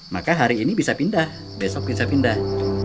maka hari ini bisa pindah besok bisa pindah